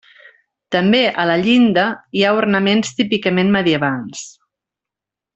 També a la llinda hi ha ornaments típicament medievals.